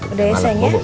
udah ya sayang ya